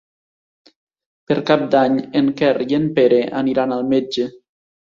Per Cap d'Any en Quer i en Pere aniran al metge.